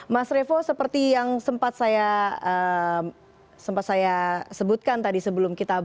mas revo seperti yang sempat saya sebutkan tadi sebelum kita